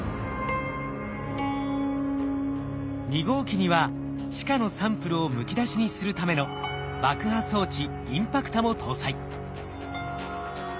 ２号機には地下のサンプルをむき出しにするための爆破装置インパクタも搭載。